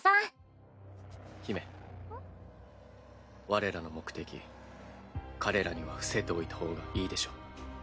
我らの目的彼らには伏せておいた方がいいでしょう。